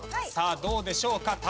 さあどうでしょうか？